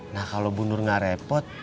nah kalau bunur gak repot